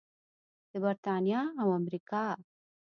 د بریتانیا او امریکا.